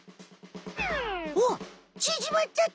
わっちぢまっちゃった！